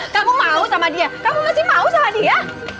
kamu mau sama dia kamu masih mau sama dia